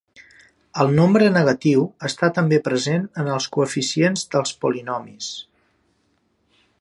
El nombre negatiu està també present en els coeficients dels polinomis.